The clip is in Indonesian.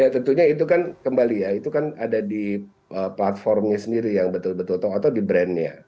ya tentunya itu kan kembali ya itu kan ada di platformnya sendiri yang betul betul atau di brandnya